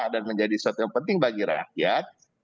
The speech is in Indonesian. dan menjadi sesuatu yang penting bagi rakyat